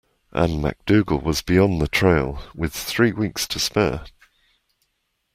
And MacDougall was beyond the trail, with three weeks to spare.